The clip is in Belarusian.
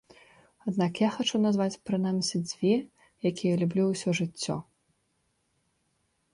Аднак я хачу назваць прынамсі дзве, якія люблю ўсё жыццё.